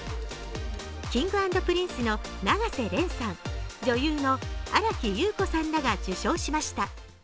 Ｋｉｎｇ＆Ｐｒｉｎｃｅの永瀬廉さん、女優の新木優子さんらが受賞しました。